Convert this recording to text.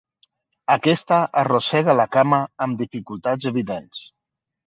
Aquesta arrossega la cama amb dificultats evidents.